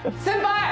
先輩！